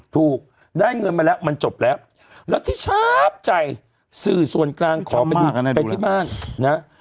ถูกได้เงินมาแล้วมันจบแล้วแล้วที่ชาร์ฟใจสื่อส่วนกลางขอไปดูไปที่บ้านนะ